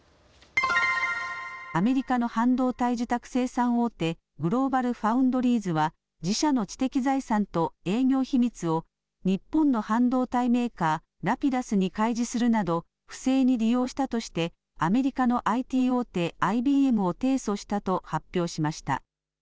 アメリカの半導体受託生産大手、グローバルファウンドリーズは自社の知的財産と営業秘密を日本の半導体メーカー、Ｒａｐｉｄｕｓに開示するなど不正に利用したとしてアメリカのＩＴ大手、ＩＢＭを提訴したと発表しました。